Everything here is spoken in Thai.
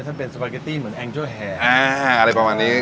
ถ้าเป็นสปาเกตตี้เหมือนแองเจอร์แห่อะไรประมาณนี้